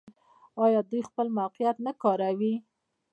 آیا دوی خپل موقعیت نه کاروي؟